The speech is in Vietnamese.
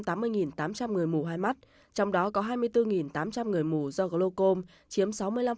trong đó có hai trăm tám mươi tám trăm linh người mù hai mắt trong đó có hai mươi bốn tám trăm linh người mù do glaucom chiếm sáu mươi năm